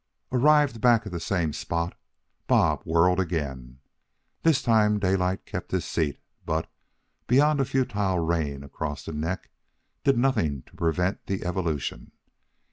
Arrived back at the same spot, Bob whirled again. This time Daylight kept his seat, but, beyond a futile rein across the neck, did nothing to prevent the evolution.